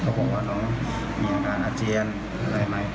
บอกว่าน้องมีอาการอาเจียนอะไรไหม